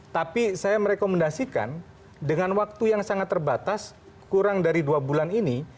tapi saya merekomendasikan dengan waktu yang sangat terbatas kurang dari dua bulan ini